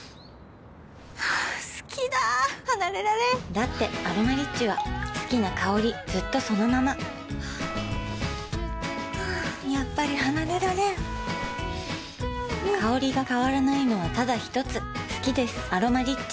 好きだ離れられんだって「アロマリッチ」は好きな香りずっとそのままやっぱり離れられん香りが変わらないのはただひとつ好きです「アロマリッチ」